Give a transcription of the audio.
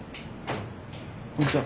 こんにちは。